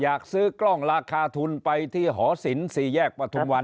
อยากซื้อกล้องราคาทุนไปที่หอศิลป๔แยกประทุมวัน